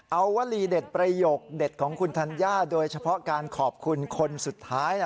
เอาวลีเด็ดประโยคเด็ดของคุณธัญญาโดยเฉพาะการขอบคุณคนสุดท้าย